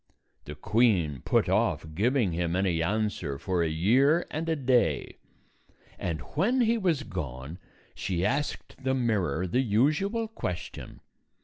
The queen put off giving him any answer for a year and a day ; and when he was gone, she asked the mirror the usual question.